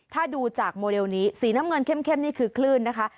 ถ้าดูจากโมเดลนี้สีน้ำเงินเข้มนี่คือคลื่นนะคะ